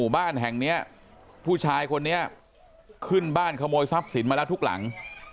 บ้านแห่งนี้ผู้ชายคนนี้ขึ้นบ้านขโมยทรัพย์สินมาแล้วทุกหลัง